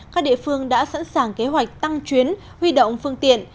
các địa phương đã sẵn sàng kế hoạch tăng chuyến huy động phương tiện